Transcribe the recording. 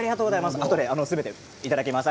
あとですべていただきます。